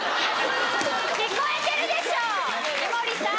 聞こえてるでしょ井森さん！